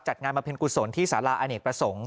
จัดงานมาเพียงกุศลที่สารอเอนกประสงค์